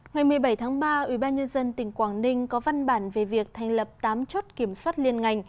ngày một mươi bảy tháng ba ubnd tỉnh quảng ninh có văn bản về việc thành lập tám chốt kiểm soát liên ngành